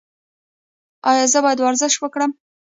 ایا زه باید ورزش وکړم؟